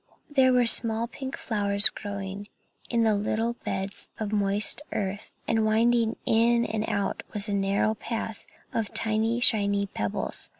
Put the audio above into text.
There were small pink flowers growing in little beds of moist earth, and winding in and out was a narrow path of tiny shiny pebbles.